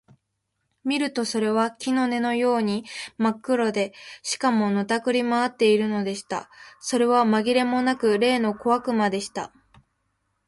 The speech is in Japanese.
見るとそれは木の根のようにまっ黒で、しかも、のたくり廻っているのでした。それはまぎれもなく、例の小悪魔でした。